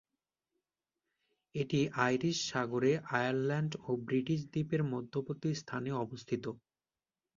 এটি আইরিশ সাগরে আয়ারল্যান্ড ও ব্রিটিশ দ্বীপের মধ্যবর্তী স্থানে অবস্থিত।